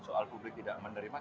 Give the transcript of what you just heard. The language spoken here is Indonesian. soal publik tidak menerima